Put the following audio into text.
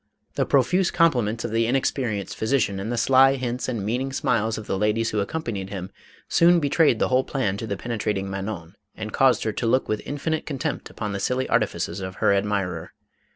The profuse compliments of the inexperienced physician and the sly hints and meaning smiles of the ladies who accompanied him, soon betrayed the whole plan to the penetrating Manon and caused her to look with infinite contempt upon the silly artifices of her admirer.